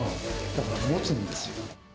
だからもつんですよ。